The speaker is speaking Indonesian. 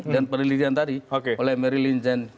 dan perlindungan tadi oleh mary lynn jankep